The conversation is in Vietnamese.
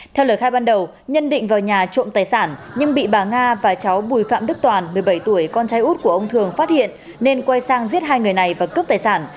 theo lời khai ban đầu nhân định vào nhà trộm tài sản nhưng bị bà nga và cháu bùi phạm đức toàn một mươi bảy tuổi con trai út của ông thường phát hiện nên quay sang giết hai người này và cướp tài sản